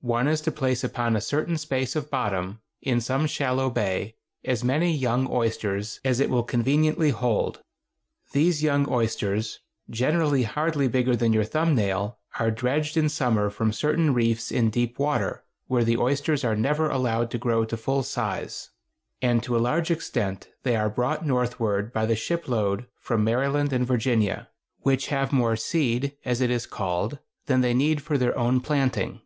One is to place upon a certain space of bottom, in some shallow bay, as many young oysters as it will conveniently hold. These young oysters, generally hardly bigger than your thumb nail, are dredged in summer from certain reefs in deep water, where the oysters are never allowed to grow to full size; and to a large extent they are brought northward by the ship load from Maryland and Virginia, which have more "seed," as it is called, than they need for their own planting.